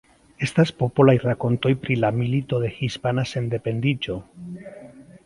Estas popolaj rakontoj pri la Milito de Hispana Sendependiĝo.